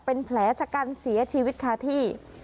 เป็นแผลชะกันเสียชีวิตคาที่